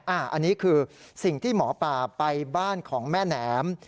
อันนี้คือสิ่งที่หมอปลาไปบ้านของแม่แหนม